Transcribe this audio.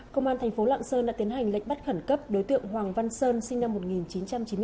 công an thành phố lạng sơn đã tiến hành lệnh bắt khẩn cấp đối tượng hoàng văn sơn sinh năm một nghìn chín trăm chín mươi ba